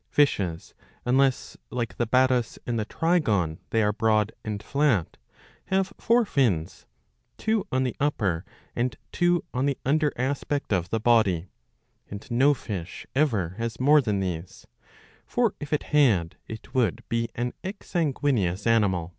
* 695 b. 136 iv. 13. Fishes, unless, like the Batos^ and the Trygon, they are broad and flat, have four fins, two on the upper and two on the under aspect of the body ; and no fish ever has more than these. For, if it had, it would be an ex sanguineous animal.